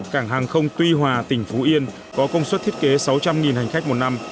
cảng hàng không tuy hòa tỉnh phú yên có công suất thiết kế sáu trăm linh hành khách một năm